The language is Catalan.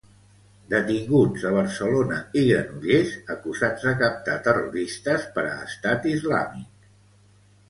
Detinguts a Barcelona i Granollers acusats de captar terroristes per a Estat Islàmic.